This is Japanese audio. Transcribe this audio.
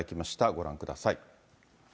ご覧ください。